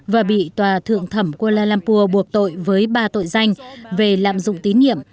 và bị tòa thượng thẩm kuala lumpur buộc tội với ba tội danh về lạm dụng tín nhiệm